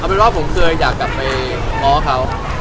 เอาเป็นว่าผมคืออยากกลับไปเพียงเข้า